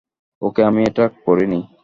ওকে, আমি এটা করিনি।